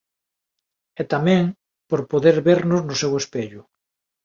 E tamén por poder vernos no seu espello.